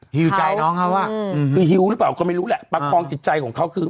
ฮิวใจน้องเขาอ่ะคือหิวหรือเปล่าก็ไม่รู้แหละประคองจิตใจของเขาคือ